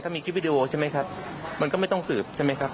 มีคลิปวิดีโอใช่ไหมครับมันก็ไม่ต้องสืบใช่ไหมครับ